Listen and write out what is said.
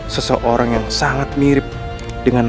seseorang yang berpikir bahwa aku tidak mau berpikir pikir tentang dia